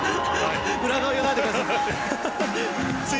裏側を言わないでください！